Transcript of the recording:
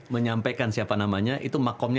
menyampaikan siapa namanya itu makamnya